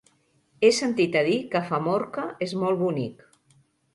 He sentit a dir que Famorca és molt bonic.